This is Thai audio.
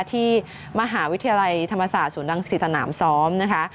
ที่มหาวิทยาลัยธรรมศาสตร์ศูนย์รังสิตสนามซ้อมนะคะ